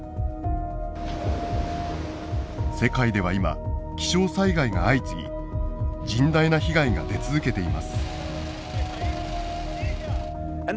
世界では今気象災害が相次ぎ甚大な被害が出続けています。